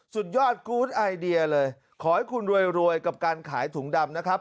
สุดยอดกูธไอเดียเลยขอให้คุณรวยกับการขายถุงดำนะครับ